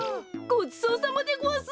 ごちそうさまでごわす！